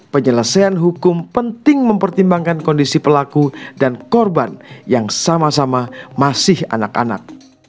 penyelesaian hukum penting mempertimbangkan kondisi pelaku dan korban yang sama sama masih anak anak